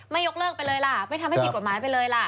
ยกเลิกไปเลยล่ะไม่ทำให้ผิดกฎหมายไปเลยล่ะ